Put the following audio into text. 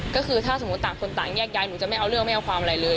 ก็คือถ้าสมมุติต่างคนต่างแยกย้ายหนูจะไม่เอาเรื่องไม่เอาความอะไรเลย